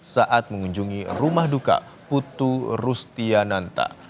saat mengunjungi rumah duka putu rustiananta